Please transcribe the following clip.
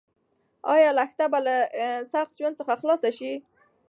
ایا لښته به له سخت ژوند څخه خلاص شي؟